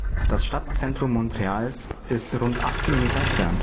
Das Stadtzentrum Montreals ist rund acht Kilometer entfernt.